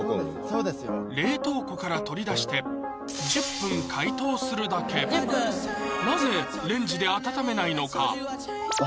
そうですよ冷凍庫から取り出して１０分解凍するだけなぜレンジで温めないのか？